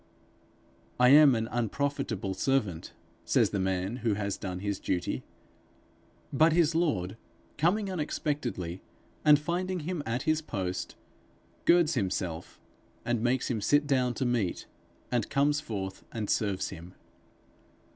'I am an unprofitable servant,' says the man who has done his duty; but his lord, coming unexpectedly, and finding him at his post, girds himself, and makes him sit down to meat, and comes forth and serves him.